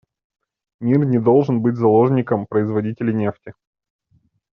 Мир не должен быть заложником производителей нефти.